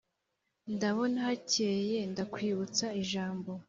ndabona hakeye Ndakwibutsa ijambo